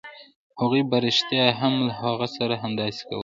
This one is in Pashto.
هغوی په رښتیا هم له هغه سره همداسې کول